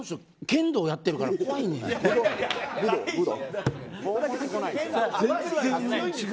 剣道やってるから怖いねん。